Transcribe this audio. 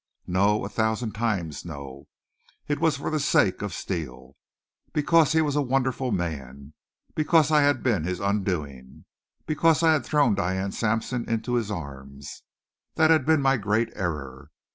No a thousand times no. It was for the sake of Steele. Because he was a wonderful man! Because I had been his undoing! Because I had thrown Diane Sampson into his arms! That had been my great error.